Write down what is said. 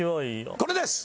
これです。